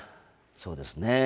そうですね。